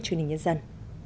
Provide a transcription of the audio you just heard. truyền hình nhân dân